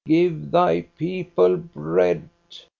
Give Thy people bread